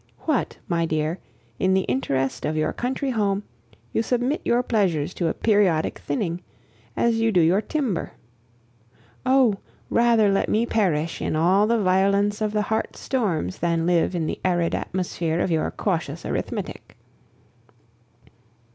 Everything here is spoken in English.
What, my dear, in the interest of your country home, you submit your pleasures to a periodic thinning, as you do your timber. Oh! rather let me perish in all the violence of the heart's storms than live in the arid atmosphere of your cautious arithmetic!